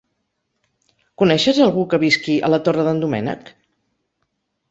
Coneixes algú que visqui a la Torre d'en Doménec?